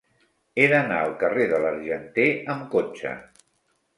He d'anar al carrer de l'Argenter amb cotxe.